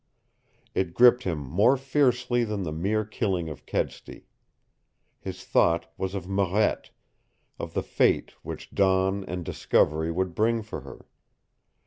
It gripped him more fiercely than the mere killing of Kedsty. His thought was of Marette, of the fate which dawn and discovery would bring for her.